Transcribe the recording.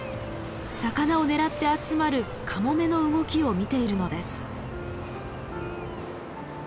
魚を狙って集まるカモメの動きを見ているのです。